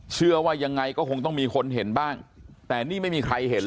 เชื่อว่ายังไงก็คงต้องมีคนเห็นบ้างแต่นี่ไม่มีใครเห็น